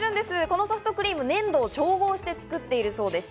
このソフトクリーム、粘土を調合して作っているそうです。